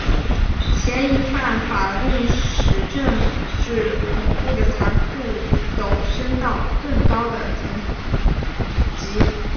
嫌疑犯法令使政治恐怖的残酷陡升到更高的层级。